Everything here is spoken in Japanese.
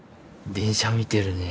電車見てるね。